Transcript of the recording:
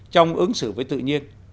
trong ứng xử với tự nhiên